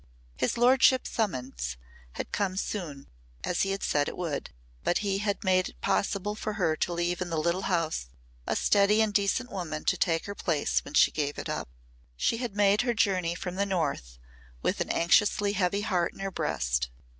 His lordship's summons had come soon, as he had said it would, but he had made it possible for her to leave in the little house a steady and decent woman to take her place when she gave it up. She had made her journey from the North with an anxiously heavy heart in her breast.